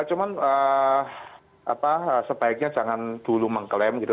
cuman sebaiknya jangan dulu mengklaim gitu